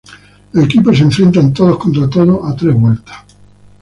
Los equipos se enfrentan todos contra todos a tres vueltas.